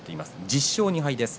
１０勝２敗です。